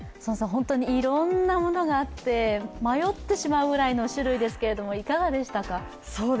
本当にいろんなものがあって迷ってしまうぐらいの種類ですがいかがでしたか？